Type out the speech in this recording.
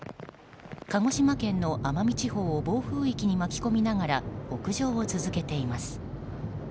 鹿児島県の奄美地方を暴風域に巻き込みながら北上を続けています。